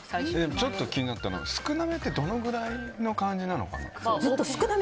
ちょっと気になったのが少なめってどのぐらいの感じなのかな。